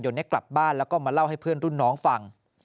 กลับบ้านแล้วก็มาเล่าให้เพื่อนรุ่นน้องฟัง